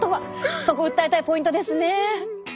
そこ訴えたいポイントですね。